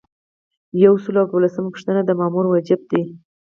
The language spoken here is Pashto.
یو سل او دولسمه پوښتنه د مامور وجایب دي.